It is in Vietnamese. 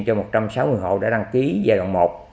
cho một trăm sáu mươi hộ đã đăng ký giai đoạn một